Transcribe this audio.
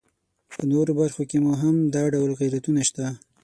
په نورو برخو کې مو هم دا ډول غیرتونه شته.